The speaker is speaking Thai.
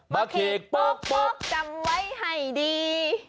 มะเข็กป๊อกจำไว้ให้ดี